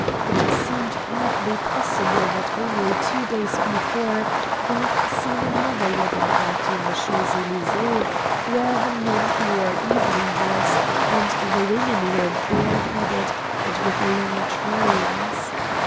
It seemed hardly possible that only two days before they had seen another wedding party in the Champs Elysees, where the men wore evening dress, and the women were bareheaded and with long trains.